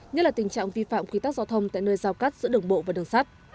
nhất là tình trạng vi phạm quy tắc giao thông tại nơi giao cắt giữa đường bộ và đường sắt